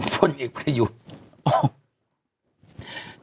ผู้เด็กประยุทธ์